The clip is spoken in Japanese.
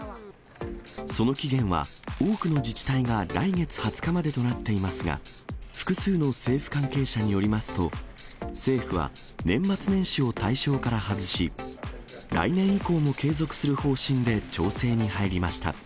その期限は多くの自治体が来月２０日までとなっていますが、複数の政府関係者によりますと、政府は年末年始を対象から外し、来年以降も継続する方針で調整に入りました。